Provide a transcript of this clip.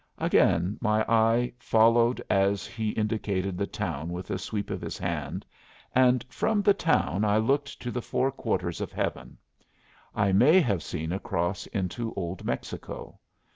Again my eye followed as he indicated the town with a sweep of his hand; and from the town I looked to the four quarters of heaven. I may have seen across into Old Mexico.